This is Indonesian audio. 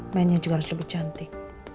mainnya juga harus lebih cantik